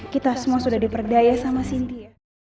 kita semua sudah diperdaya sama cynthia